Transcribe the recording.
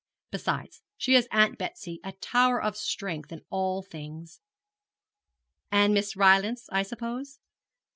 Besides, she has Aunt Betsy, a tower of strength in all things.' 'And Miss Rylance, I suppose?'